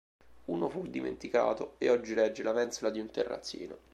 Uno fu dimenticato e oggi regge la mensola di un terrazzino.